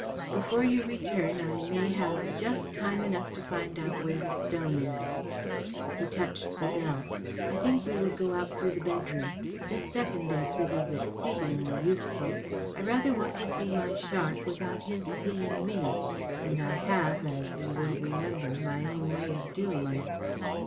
‚ÄĚ " Before you return I may have just time enough to find out where the stone is.‚ÄĚ He touched the bell. “ I think we will go out through the bedroom. This second exit is exceedingly useful. I rather want to see my shark without his seeing me, and I have, as you will remember, my own way of doing it.